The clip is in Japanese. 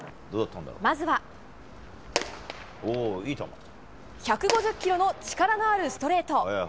まずは１５０キロの力あるストレート。